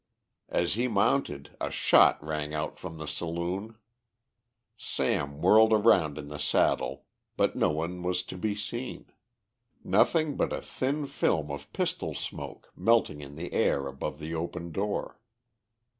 As he mounted, a shot rang out from the saloon. Sam whirled around in the saddle, but no one was to be seen; nothing but a thin film of pistol smoke melting in the air above the open door.